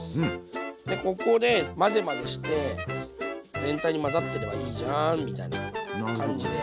でここで混ぜ混ぜして全体に混ざってればいいじゃんみたいな感じで。